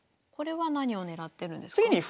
これは何を狙ってるんですか？